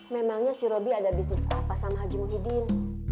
memangnya si robi ada bisnis apa sama haji muhyiddin